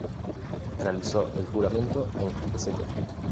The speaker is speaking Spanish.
Realizó el juramento en St.